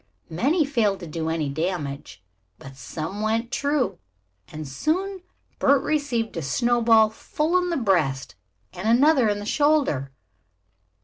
Many failed to do any damage, but some went true, and soon Bert received a snowball full in the breast and another in the shoulder.